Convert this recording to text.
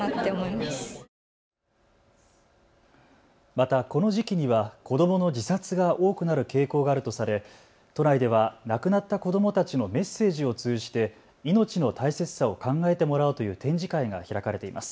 またこの時期には子どもの自殺が多くなる傾向があるとされ都内では亡くなった子どもたちのメッセージを通じて命の大切さを考えてもらおうという展示会が開かれています。